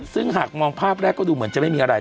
ซึ่งหากมองภาพแรกก็ดูเหมือนจะไม่มีอะไร